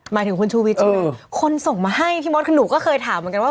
หมายถึงคุณชูวิทย์คนส่งมาให้พี่มอสขนูกก็เคยถามเหมือนกันว่า